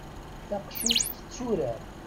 Taqcic tetturar.